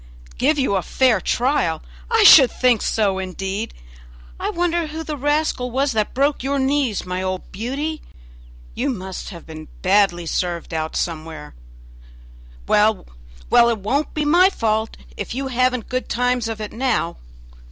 "Give you a fair trial! I should think so indeed! I wonder who the rascal was that broke your knees, my old Beauty! you must have been badly served out somewhere; well, well, it won't be my fault if you haven't good times of it now.